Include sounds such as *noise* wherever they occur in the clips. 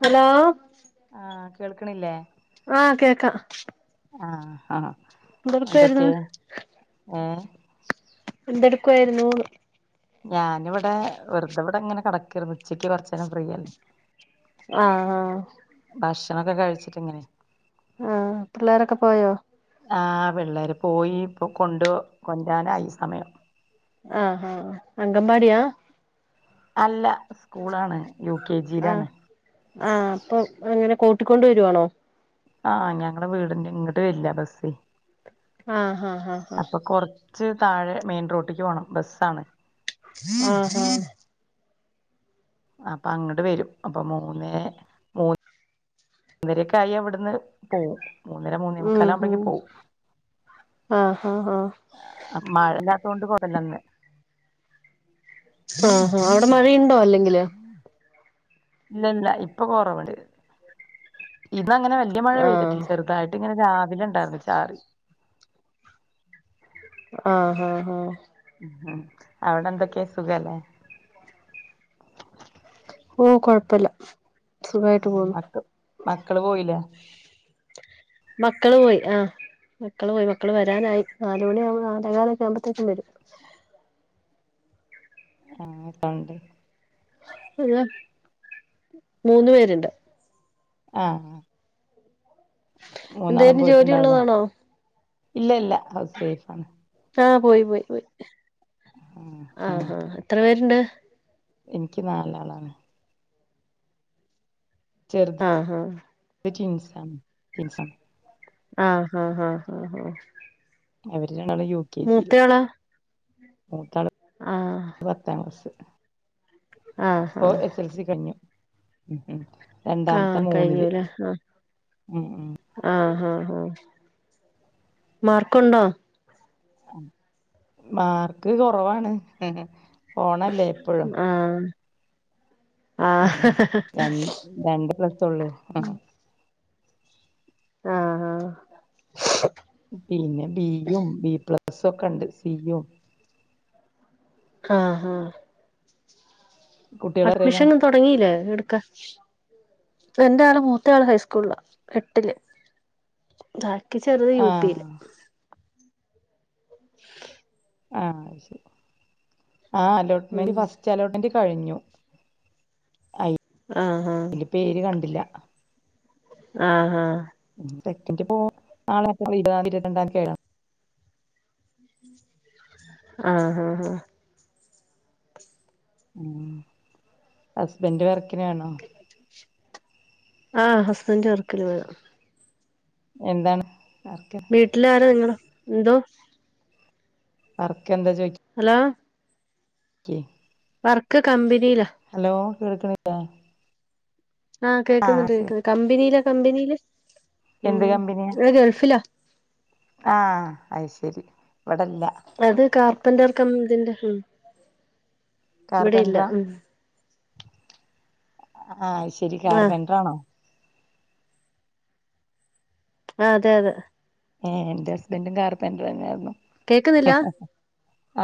Hello ആഹ് കേൾക്കണില്ലേ ആ കേക്കാം ആഹ് ആഹ് എന്തെടുക്കുവായിരുന്നു എന്തൊക്കെ ഏ എന്തെടുക്കുായിരുന്നു ഞാനിവിടെ വെറുതെ ഇവിടെ ഇങ്ങനെ കടക്കിരുന്നു ഉച്ചയ്ക്ക് കുറച്ചേരം ഫ്രീ അല്ലേ ആഹ് ആഹ് ഭക്ഷണൊക്കെ കഴിച്ചിട്ടിങ്ങനെ ആ പിള്ളേരൊക്കെ പോയോ ആ പിള്ളേര് പോയി ഇപ്പോ കൊണ്ട് രാനായി സമയം ആഹ് ആഹ് അംഗവാടിയാ അല്ല സ്കൂളാണ് യു കെ ജിയിലാണ് ആ അപ്പം അങ്ങനെ കൂട്ടിക്കൊണ്ട് വരുവാണോ ആ ഞങ്ങളടെ വീടിന്റെ ഇങ്ങോട്ട് വരില്ല ബസ്സ് ആ ഹ ഹ അപ്പ കൊറച്ച് താഴെ മെയിൻ റോട്ടേക്ക് പോണം ബസ്സാണ് ആ ഹാ അപ്പ അങ്ങട്ട് വരും അപ്പം മൂന്നെ മൂ മൂന്നരയൊക്കെ ആയ ഇവിടുന്ന് പോവും മൂന്നര ഉം ഉം മൂന്നേമുക്കാലാവുമ്പഴേക്കും പോവും ആഹ് ആഹ് ആഹ് ആ മഴയില്ലാത്ത കൊണ്ട് *unintelligible* ആഹ് ആഹ് അവിടെ മഴയുണ്ടോ അല്ലെങ്കില് ഇല്ലില്ല ഇപ്പൊ കൊറവൊണ്ട് ഇന്നങ്ങനെ വല്ല്യ മഴ ആഹ് പെയ്തിട്ടില്ല ചെറുതായിട്ട് ഇങ്ങനെ രാവിലെ ഉണ്ടായിരുന്നു ചാറി ആഹ ഹ ഹ ഉം അവിടെന്തൊക്കെയ സുഖല്ലേ ഓ കൊഴപ്പവില്ല മക്ക മക്കള് പോയില്ലേ മക്കള് പോയി ആഹ് മക്കള് പോയി മക്കള് വരാനായി നാല് മണിയാവുമ്പം നാലെകാലൊക്കെ ആവുമ്പത്തേക്കും വരും *unintelligible* പിള്ളേ മൂന്ന് പേരുണ്ട് ആഹ് മൂന്നാളും എന്തേലും ജോലി പോയിട്ടുണ്ടാവുല്ലെ ഉള്ളതാണോ ഇല്ല ഇല്ല ഹൗസ് വൈഫാണ് ആഹ് പോയി പോയി പോയി ആഹ് ഉം ആഹഹ എത്ര പേരുണ്ട് എനിക്ക് നാലാളാണ് ചെറുത് ആഹ് ട്വിൻസാണ് ട്വിൻസാ ആഹ് ഹ ഹ ഹ ഹ അവര് രണ്ടാളും യു കെ ജില് മൂത്താള് ആഹ് പത്താംക്ലസില് ആഹ് ഹ എസ് എൽ സി കഴിഞ്ഞു ഉം ആഹ് രണ്ടാമത്തെ മൂന്നില് കഴിഞ്ഞൂലേ ആഹ് ഉം ഉം ഉം ആഹ് ആഹ് ആഹ് മാർക്കുണ്ടോ മാർക്ക് കുറവാണ് ഫോണല്ലേ എപ്പഴും ആഹ് ഉം ആഹ് ആഹ് ര രണ്ട് പ്ലസ്സൊള്ളു ഉം ആഹാ പിന്നെ ബിയും ബി പ്ലസ്സൊക്കെണ്ട് സിയും ആഹാ കുട്ടികള് എത്രയിലാ അഡ്മിഷൻ തുടങ്ങില്ലേ എടുക്കാൻ എന്റെയാള് മൂത്തയാള് ഹൈസ്കൂളില എട്ടില് ബാക്കി ചെറുത് യു പില് ആഹ് ഇഷ് ആഹ ആ ഉം അലോട്ട്മെന്റ് ഫസ് റ്റലോട്ട്മെന്റ് കഴിഞ്ഞു അ ആഹ് ആഹ് പേര് കണ്ടില്ല ആഹ് ആഹ് ഉം ടെറ്റിൻ്റെ ഇപ്പോ *unintelligible* ഇരുപതാം തീ ഇരുപന്ത്രണ്ടാ തീ ആണ് ഉം ആഹ് ആഹ് ആഹ് ഉം ഹസ്ബൻഡ് വർക്കിലാണോ ആഹ് ഹസ്ബൻഡ് വർക്കിന് പോയതാ എന്താണ് വർക്ക് വീട്ടിലാരാ നിങ്ങടെ എന്തോ? വർക്കെന്താ ചോദിക്കാ ഹലോ *unintelligible* വർക്ക് കമ്പിനീലാ ഹലോ കേൾക്കുന്നില്ലേ? ആഹ് കേക്കുന്നുണ്ട് ശരി കേൾക്ക് കമ്പനീലാ കമ്പനീല് എന്ത് കമ്പനിയാ ആഹ് അയ്ശരി ഇവിടെല്ല അത് കാർപ്പന്റർ കമ്പ് ഇതിന്റെ ഉം ഇവിടെ ഇല്ല കാർപെന്ററാ ഉം ആഹ് അയ്ശരി ആഹ് കാർപെന്ററാണോ? ആഹ് അതെ അതെ ഏഹ് എന്റെ ഹസ്ബൻ്റും കാർപ്പെൻ്റെറെന്നെ ആയിരുന്നു കേക്കുന്നില്ല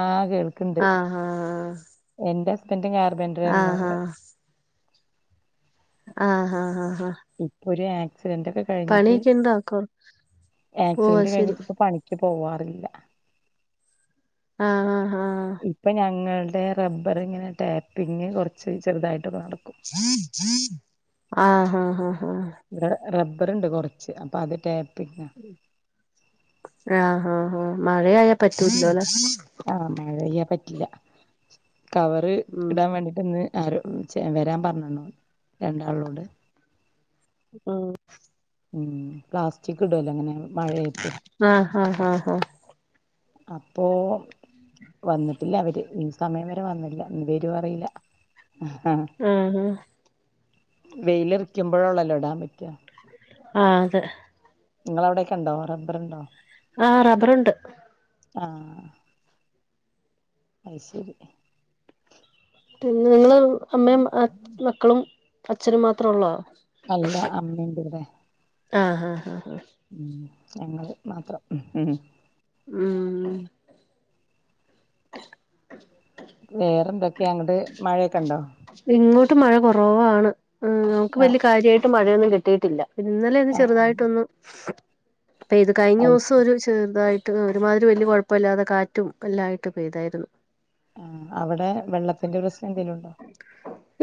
ആഹ് ഗൾ ആഹ് ആഹ് ആഹ് എന്റെ ഹസ്ബൻ്റും കാർപ്പെൻ്റെറായിരുന്നു *unintelligible* ആഹ് ആഹ് ആഹ് ഇപ്പൊ ഒരു ആക്സിഡന്റ് ഒക്കെ കഴിഞ്ഞിട്ട് പണിയൊക്കെ ഉണ്ടോ കൊ ഓ അത് ആക്സിഡന്റ് ശരി കഴിഞ്ഞിട്ട് ഇപ്പൊ പണി ക്ക് പോവാറില്ല ആഹ് ആഹ് ആഹ് ഇപ്പം ഞങ്ങൾടെ റബ്ബർ ഇങ്ങനെ ടാപ്പിങ് കൊറച്ച് ചെറുതായിട്ടൊക്കെ നടക്കും ആഹ ആഹ് ആഹ് ഇവിടെ റബ്ബറ്ണ്ട് കൊറച്ച് അപ്പൊ അത് ടാപ്പിങ്ങാ ആഹ് ആഹ് ആഹ് മഴ ആയാ പറ്റൂലല്ലോ ല്ലേ ആഹ് മഴ ആയ പറ്റില്ല കവറ് ഉം ഇടാൻ വേണ്ടിട്ടൊന്ന് ആരോ *unintelligible* വെരാൻ പറഞ്ഞണ്ണു രണ്ടാളോട് ഉം ഉം പ്ലാസ്റ്റിക് ഇടല്ലോ ഇങ്ങനെ മഴയത്ത് ആഹ് ആഹ് ആഹ് ആഹ് അപ്പോ വന്നിട്ടില്ല അവര് ഈ സമയം വരെ വന്നില്ല ഇന്ന് വെരോ അറിയില്ല ആഹ് ആഹ് വെയിലിറിക്കുമ്പോഴള്ളല്ലോ ഇടാൻ പറ്റാ ആഹ് അതെ ഇങ്ങളവിടെക്കെ ഇണ്ടോ റബ്ബറ്ണ്ടോ? ആഹ് റബറ്ണ്ട് ആഹ് ആ അയ് ശരി പിന്നെ നിങ്ങള് അമ്മയും അച്ഛ് മക്കളും അച്ഛനും മാത്രേ ഒള്ളോ അല്ല അമ്മ ഇണ്ട് ഇവിടെ ആഹ് ആഹ് ആഹ് ഉം ഞങ്ങള് മാത്രം ഉം വേറെ എന്തൊക്കെയാ അങ്ങട് മഴയൊക്കെ ഇണ്ടോ? ഇങ്ങോട്ട് മഴ കൊറവാണ് ഉം നമ്മക്ക് ആഹ് വല്യ കാര്യായിട്ട് മഴയൊന്നും കിട്ടിയിട്ടില്ല ഇന്നലെ ന്ന് ആഹ് ചെർതായിട്ടൊന്നു പെയ്ത് കഴിഞ്ഞു അത് സം ശരി ഒരു ചെർതായിട്ട് ഒരുമാതിരി വല്യ കൊഴപ്പല്ലാതെ കാറ്റും കല്ലായിട്ട് പെയ്തായിരുന്നു. ആഹ് അവടെ വെള്ളത്തിന്റെ പ്രശ്നം എന്തെലും ഉണ്ടോ?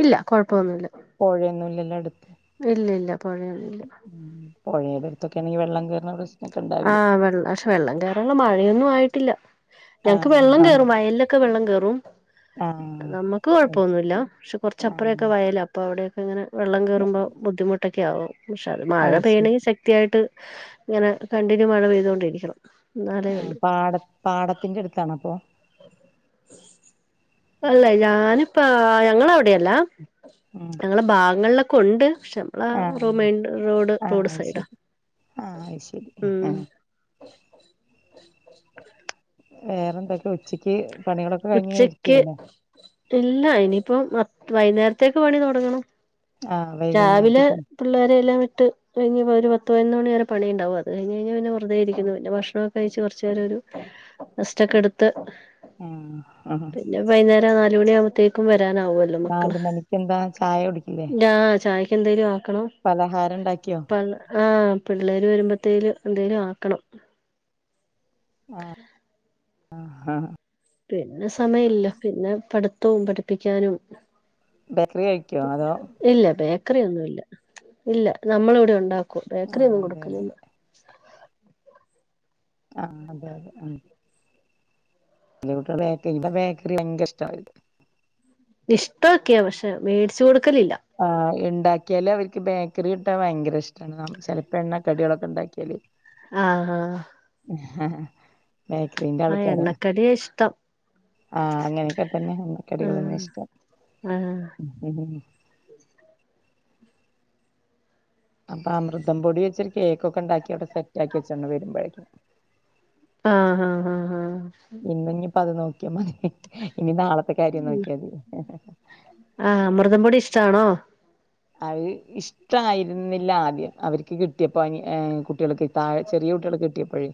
ഇല്ല കൊഴപ്പന്നുല്ല. പൊഴന്നുല്ലല്ലോ അട്ത്ത്? ഇല്ല ഇല്ല പുഴയല്ല ഉം പൊഴേടെ എടുത്തൊക്കെണെങ്കിൽ വെള്ളം കേർണ പ്രശ്നക്കെ ഉണ്ടാവില്ലേ? വെള്ള വെള്ളം കേറാള്ള മഴയൊന്നും ആയിട്ടില്ല ഞങ്ങക്ക് ആഹ് വെള്ളം ആഹ് കേറും വയൽലൊക്കെ വെള്ളം കേറും. നമ്മക്ക് ആഹ് അത് ശരി കൊഴപ്പന്നുല്ല ക്ഷെ ആഹ് കൊർച്ചപ്പുറേക്കെ വയല പ്പ അവടെക്കെ ഇങ്ങനെ വെള്ളം കേറുമ്പോ ബുദ്ധിമുട്ടൊക്കെ ആവും. പക്ഷേ അത് മഴ പെയ്യണെങ്കിൽ ത്യായിട്ട് ഇങ്ങനെ കണ്ടിന്യൂ മഴ പെയ്തോണ്ടിരിക്കണം. എന്നാലേ ആ ഉള്ളൂ പാട പാടത്തിന്റെ അടുത്താണ് അപ്പൊ? അല്ല ഞാന് പ്പ ഞങ്ങളവിടെയല്ല. ഉം ഞങ്ങള ഭാഗങ്ങൾലൊക്കെ ഉണ്ട് പക്ഷെ ള ആഹ് റുമൈൻ്റ് റോഡ് ആഹ് റോഡ് അത് സൈഡാ ശരി ആഹ് അത് ശരി ഉം ആഹ് വേറെ എന്തൊക്കെ ഉച്ചയ്ക്ക് പണികളൊക്കെ കഴിഞ്ഞ ഇരിക്കു ഉച്ചക്ക് ല്ലേ? ഇല്ല ഇനിയിപ്പോ മ വൈന്നേരത്തേക്ക് പണി തൊടങ്ങണം. ആഹ് രാവിലെ വൈകുന്നേരത്തേക്കും പിള്ളേരെല്ലാം വ്ട്ട് കഴിഞ്ഞപ്പോ ഒരു പത്ത് പയിനൊ മണി വരെ പണിണ്ടാകും. അത് കഴിഞ്ഞ് കഴിഞ്ഞാ പിന്നെ വെർതെ ഇരിക്ക്ന്നു. പിന്നെ ഭക്ഷണ കഴിച്ച് കൊർച്ചേര ഒരു നസ്റ്റ ഒക്കെ എട്ത്ത് ഉം അഹാ പിന്നെ വൈന്നേര നാലുമണി ആകുമ്പത്തേക്കും വരാനാവു നാല് മണിക്ക് എന്താ ചായ കുടിക്കില്ലേ? ചായക്ക്ന്തെലും ആക്കണോ? പലഹാരം ണ്ടാക്കിയോ? ആഹ് പിള്ളേര് വെരുമ്പത്തേലും എന്തേലും ആക്കണം. ആഹ് ആഹ് ആഹ് പിന്നെ സമയല്ല പിന്നെ പഠിത്തവും പഠിപ്പിക്കാനും. ബേക്കറി കഴിക്കോ അതോ? ഇല്ല ബേക്കറി ഒന്നുല്ല ഇല്ല നമ്മള് വടെ ണ്ടാക്കും. ബേക്കറി ആഹ് ഒന്നും അതെ കൊടുക്കല് അതെ ല്ല. ആഹ് അതെ അതെ ഉം *unintelligible* ഇവടെ ബേക്കറി ഭയങ്കര ഇഷ്ട ഇഷ്ടൊക്കെ പക്ഷെ മേട്ച്ചു കൊടുക്കലില്ല. ആഹ് ഇണ്ടാക്കിയാല് അവർക്ക് ബേക്കറി കിട്ടാൻ ഭയങ്കര ഇഷ്ടാണ്. ചെലപ്പോ എണ്ണ കടികളൊക്കെ ണ്ടാക്കിയാല്. ആഹ് ആഹ് ബേക്കറിന്റെ ആഹ് ആൾക്കാരാ? എണ്ണക്കടിയ ഇഷ്ടം ആഹ് അങ്ങനെക്കെ തന്നെ കടികളന്ന ആഹ് ഇഷ്ട ആഹ് ഉം. അപ്പ അമൃതം പൊടി വെച്ചരു കേക്കൊക്കെ ണ്ടാക്കി അഒടെ സെറ്റ് ആക്കി വെച്ചണ്ട് വരുമ്പഴേക്കും. ആഹ് ആഹ് ആഹ് ആഹ് ഇന്നഞ്ഞിപ്പ അത് നോക്കിയാ മതി ഇനി നാളത്തെ കാര്യം നോക്കിയ തി. ആഹ് അമൃതം പൊടി ഇഷ്ടാണോ? അഹ് ഇഷ് ഇത്രായിരുന്നില്ല ആദ്യം അവർക്ക് കിട്ടിയപ്പോ അയ്ൻ ഏഹ് കുട്ട്യൾക്ക് താഴെ ചെറിയ കുട്ട്യൾക്ക് കിട്ടിയപ്പോഴെ.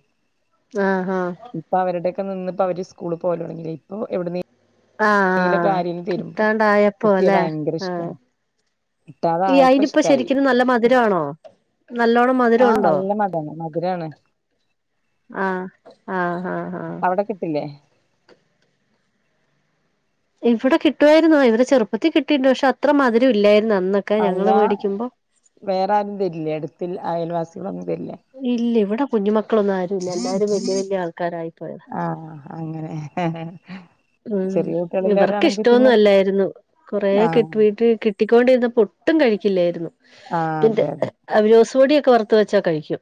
ആഹ് ആഹ് ഇപ്പ അവരുടെക്ക നിന്ന് പ്പ അവര് സ്കൂള് പോലൊട്ങ്ങി ഇപ്പോ എഒട് ന്നേ ആഹ് കിട്ടാണ്ടായപ്പോ കിട്ടിയ ല്ലെ ഭയങ്കര ആഹ്? ഇഷ്ടാണ് ഈ കിട്ടാതായപ്പോ അയിനിപ്പ ഇഷ്ടായി ശരിക്കും നല്ല മധുരാണോ? നല്ലോണം മധുരം ആഹ് ഉണ്ടോ നല്ല മതാണ് മധുരാണ്. ആഹ് ആഹ് ഹാ ഹാ അഒടെ കിട്ട്ല്ലേ? ഇവിടെ കിട്ടുമായിരുന്നു. ഇവടെ ചെറുപ്പത്തി കിട്ടിട്ടുണ്ട്. പക്ഷെ അത്ര മധുരം ഇല്ലായിരുന്നു. അന്ന് അല്ല വേറെ ആരും വരില്ലേ അടുത്ത് അയൽവാസികളൊന്നും വരില്ലേ? ഇല്ല ഇവിടെ കുഞ്ഞു മക്കളൊന്നും ആരുല്ല എല്ലാരും വല്യ വല്യ ആൾക്കാരായി പോയതാ ആഹ അങ്ങനെ ഹെ ഹെ ഉം ഇവർക്ക് ഇഷ്ടോന്നും അല്ലായിരുന്നു. കുറെേ ആഹ് കിട്ട വീട്ടിൽ കിട്ടിക്കൊണ്ടിരുന്നപ്പോ ഒട്ടും കഴിക്കില്ലായിരുന്നു. ആ അതെ അതെ അവോലോസ് പൊടിയൊക്കെ വറുത്ത് വെച്ചാ കഴിക്കും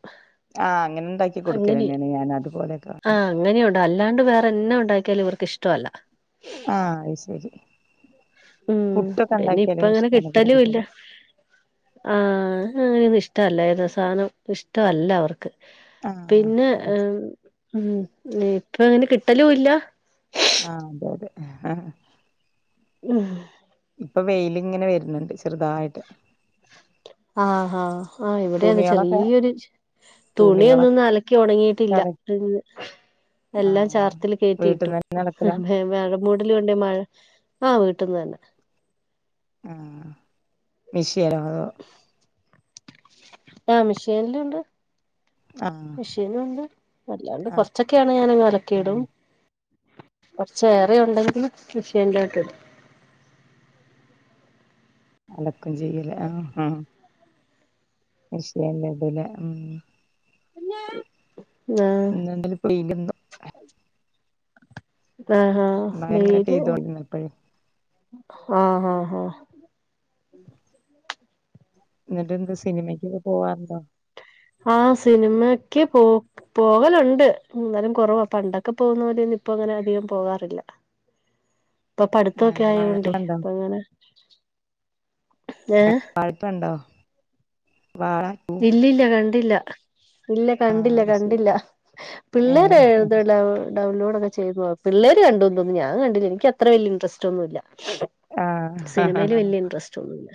ആഹ് അങ്ങനെ ഉണ്ടാക്കി കൊടുക്കല അങ്ങനെ തന്നെയാണ് ഞാൻ അതുപോലെയൊക്കെ ആഹ് അങ്ങനെയുണ്ട് അല്ലാണ്ട് വേറെ എന്നാ ഉണ്ടാക്കിയാലും ഇവർക്ക് ഇഷ്ടമല്ല. ആഹ അ ശരി ഉം പുട്ടൊക്കെ പിന്നെ ഇപ്പ ഉണ്ടാക്കിയാല് അങ്ങനെ ഇഷ്ടാണ് ഇവിടെ കിട്ടലും ഇല്ല കുട്ടികള് ആ അങ്ങനെയൊന്നും ഇഷ്ടമല്ല ഏത് സാധനം ഇഷ്ടമല്ല അവർക്ക് ആഹ് പിന്നെ ഉം ഇപ്പ അങ്ങനെ കിട്ടലും ഇല്ല ആഹ അതെ ഹ ഹ *inaudible* ഇപ്പൊ വെയിലിങ്ങനെ വരുന്നുണ്ട് ചെറുതായിട്ട് ആഹാ ആഹ ഇവിടെ അത് തുണികളൊക്കെ ചെറിയൊരു തുണി തുണികളൊക്കെ ഒന്നും അലക്കി ഉണങ്ങിയിട്ടില്ല അല എല്ലാം ആഹ് ചാർത്തില് കേയറ്റിയിട്ടു വീട്ടിന്ന് തന്നെ അലക്കലാ വേഴ മൂടല കൊണ്ട മഴ ആഹ വീട്ടിന്ന് തന്നെ ആഹ വിഷയര അതോ *unintelligible* അ മിഷേനിലുണ്ട് ആ *inaudible* നണ്ട് അല്ലാണ്ട് കൊറച്ചൊക്കെയാണെ ഞാനങ്ങ് അലക്കിയിടും കുറച്ചേറെ ഉണ്ടെങ്കിൽ മെഷീനിലോട്ടിടും അതൊക്കും ചെയ്യലേ ആഹ് മെഷീനിൽ ടുഅലെ *unintelligible* കുഞ്ഞേ ആ *unintelligible* ആഹ ഹാ മഴ ഇങ്ങനെ മര് പെയ്തോണ്ടിരുന്നപ്പഴേ ആഹ ഹാ ഹ *inaudible* എന്നിട്ട് എന്ത് സിനിമയ്ക്കൊക്കെ പോവാറുണ്ടോ ആ സിനിമക്ക് പോ പോകലുണ്ട് എന്നാലും കുറവാ പണ്ടൊക്കെ പോകുന്ന പോലന്നും ഇപ്പ അങ്ങനെ അധികം പോകാറില്ല ഇപ്പൊ ആഹ് പഠിത്തൊക്കെ ആയോണ്ടേ വാഴക്കുലണ്ടോ അപ്പ എങ്ങനെ വഴപ്പുണ്ടോ വാഴ *unintelligible* ഇല്ലില്ല കണ്ടില്ല ഇല്ല കണ്ടില്ല ആഹ് ശരി കണ്ടില്ല പിള്ളേരെ ഏഹ് എഴുതള്ള *unintelligible* ഡൗൺലോഡ് ഒക്കെ ചെയ്തു. പിള്ളേര് കണ്ടുന്ന് തോന്നുന്നു. ഞാൻ കണ്ടില്ല. എനിക്ക് അത്ര വലിയ ഇന്ററസ്റ്റ്‌ ഒന്നുമില്ല. ആഹ് സിനിമയില് വലിയ ഇൻട്രസ്റ്റ് ഒന്നുമില്ല.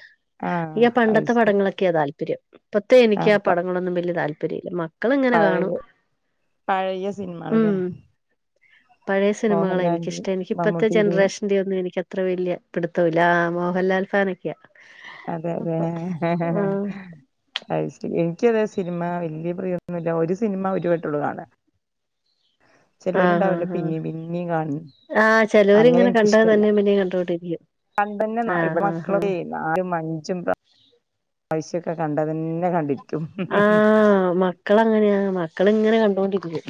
ആഹ് എനിക്കാ അത് പണ്ടത്തെ ശരി പടങ്ങളൊക്കെയാ താല്പര്യം. ഇപ്പത്തെ എനിക്ക് ആ ആഹ് പ പടങ്ങളൊന്നും വലിയ താല്പര്യമില്ല മക *inaudible* മക്കളിങ്ങനെ കാണും പഴയ പഴയ ഉം സിനിമകളല്ലേ പഴയ സിനിമകളാ മോഹൻലാലിന്റെയും എനിക്കിഷ്ടം. എനിക്ക് ഇപ്പഴത്തെ മമ്മൂട്ടിയുടെയും ജനറേഷൻ *inaudible* യൊന്നും എനക്കത്ര വലിയ പിടുത്തമൊന്നുമില്ല. മോഹൻലാൽ ഫാനൊക്കെയാ. അതെ അതെ അപ്പൊ ഹ ഹ ആ അത് ശരി. എനിക്കും അതേ. സിനിമ വലിയ പ്രിയമൊന്നുമില്ല. ഒരു സിനിമ ഒരു വട്ടമേയുള്ളു കാണ *inaudible* ആഹ ആാ ആഹ് പിന്നേം പിന്നേം കാണും ആ ചെലോര് അങ്ങനെ ഇങ്ങനെ കണ്ടത് എനിക്കിഷ്ടല്ല തന്നെ പിന്നെയും കണ്ടോണ്ടിരിക്കും പണ്ടന്നെ ആ ഇവിടെ ഹ ഹ മക്കളൊക്കെ നാലും അഞ്ചും പ്രാവശ്യൊക്കെ കണ്ട തന്നെ കണ്ടിരിക്കും ഹി ഹി ഹി ആഹ് മക്കളങ്ങനെയാ മക്കളിങ്ങനെ കണ്ടൊണ്ടിരിക്കു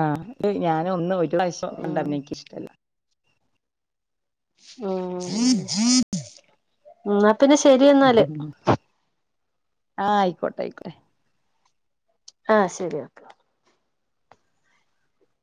ആ ത് ഞാൻ ഒന്ന് ഒരു പ്രാവശ്യം ക ണ്ടാ ഉം എനിക്കിഷ്ട്ടമല്ല മം ന്ന പിന്നെ ശ ആ ആയിക്കോട്ടെ ആയിക്കോട്ടെ ആ ശരി ഓക്കെ